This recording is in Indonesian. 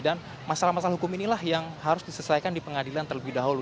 dan masalah masalah hukum inilah yang harus diselesaikan di pengadilan terlebih dahulu